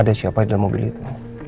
ada siapa di dalam mobil itu